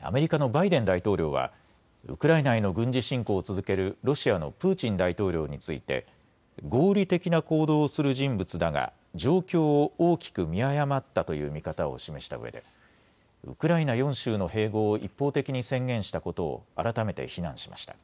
アメリカのバイデン大統領はウクライナへの軍事侵攻を続けるロシアのプーチン大統領について合理的な行動する人物だが状況を大きく見誤ったという見方を示したうえでウクライナ４州の併合を一方的に宣言したことを改めて非難しました。